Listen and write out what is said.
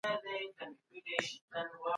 که څوک په لاره کې خوراک کوي.